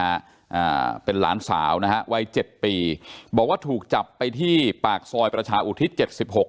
อ่าเป็นหลานสาวนะฮะวัยเจ็ดปีบอกว่าถูกจับไปที่ปากซอยประชาอุทิศเจ็ดสิบหก